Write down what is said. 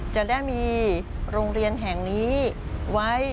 จะได้มีโรงเรียนแห่งนี้ไว้